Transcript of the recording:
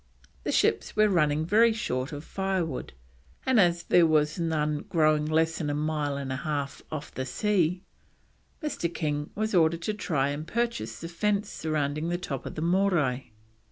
The ships were running very short of firewood, and as there was none growing less than a mile and a half off the sea, Mr. King was ordered to try and purchase the fence surrounding the top of the Morai.